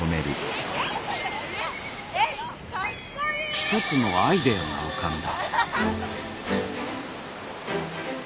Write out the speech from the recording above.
一つのアイデアが浮かんだ。